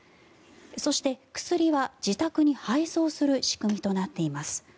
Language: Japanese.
そして、薬は自宅に配送する仕組みとなっています。